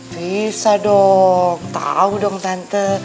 bisa dong tahu dong tante